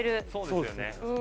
そうですよね。